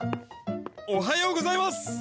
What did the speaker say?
おはようございます！